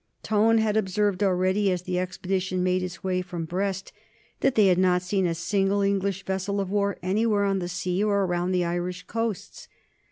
Tone had observed already, as the expedition made its way from Brest, that they had not seen a single English vessel of war anywhere on the sea or around the Irish coasts.